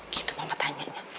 gitu mama tanyanya